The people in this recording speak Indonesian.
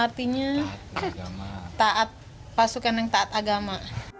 artinya taat pasukan yang taat agama